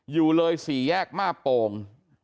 อยู่เลย๔แยกมาโป่ง